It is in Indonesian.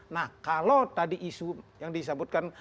nah kalau tadi isu yang disebutkan